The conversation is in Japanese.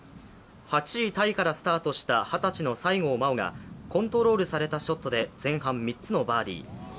８位タイからスタートした二十歳の西郷真央がコントロールされたショットで前半３つのバーディー。